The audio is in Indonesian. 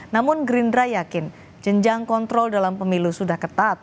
namun gerindra yakin jenjang kontrol dalam pemilu sudah ketat